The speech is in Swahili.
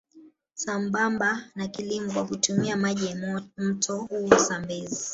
Sambamba na kilimo kwa kutumia maji ya mto huo Zambezi